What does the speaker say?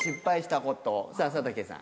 さぁ佐竹さん。